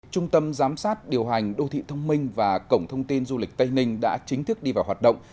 trung tâm giám sát điều hành đô thị thông minh và cổng thông tin du lịch tây ninh đã chính thức đi vào hoạt động